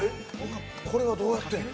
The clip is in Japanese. これはどうやってるの？